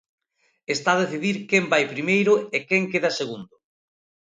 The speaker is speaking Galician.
Está a decidir quen vai primeiro e quen queda segundo.